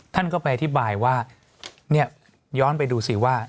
ท่านก็ไปอธิบายว่าเนี่ยย้อนไปดูสิว่า